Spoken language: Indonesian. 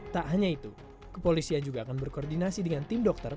tak hanya itu kepolisian juga akan berkoordinasi dengan tim dokter